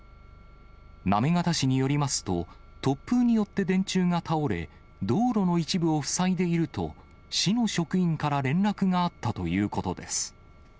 行方市によりますと、突風によって電柱が倒れ、道路の一部を塞いでいると、市の職員から連絡があったということです。